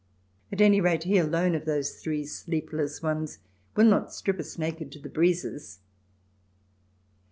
At any rate, he alone of those three sleep less ones will not strip us naked to the breezes.